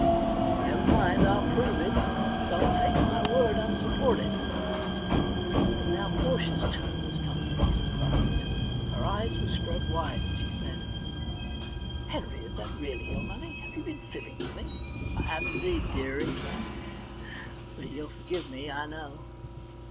' Never mind, I'll prove it. Don't take my word unsupported.' But now Portia's turn was come to be surprised. Her eyes were spread wide, and she said :* Henry, is that really your money ? Have you been fibbing to me ?'* I have indeed, dearie. But you'll forgive me, I know.'